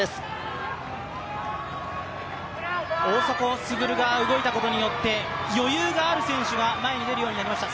大迫傑が前に出ることによって余裕のある選手が前に出るようになりました。